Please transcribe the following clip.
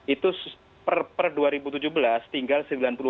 itu per dua ribu tujuh belas tinggal sembilan puluh delapan